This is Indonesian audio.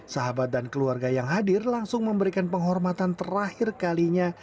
sahabat dan keluarga yang hadir langsung memberikan penghormatan terakhir kalinya